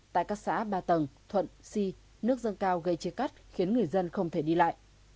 tại các xã ba tầng thuận si nước dâng cao gây chia cắt khiến người dân không thể đi lại